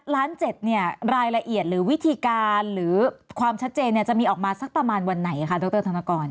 ล้าน๗เนี่ยรายละเอียดหรือวิธีการหรือความชัดเจนจะมีออกมาสักประมาณวันไหนคะดรธนกร